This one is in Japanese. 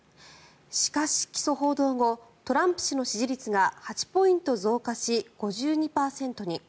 しかし、起訴報道後トランプ氏の支持率が８ポイント増加し、５２％に。